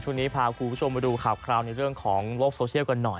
ช่วงนี้พาคุณผู้ชมมาดูข่าวคราวในเรื่องของโลกโซเชียลกันหน่อย